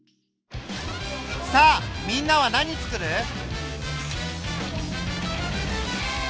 さあみんなは何つくる？